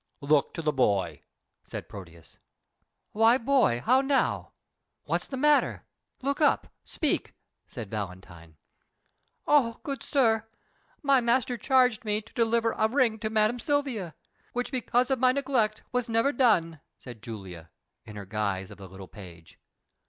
"Look to the boy," said Proteus. "Why, boy, how now? What's the matter? Look up! Speak!" said Valentine. "Oh, good sir, my master charged me to deliver a ring to Madam Silvia, which because of my neglect was never done," said Julia, in her guise of the little page.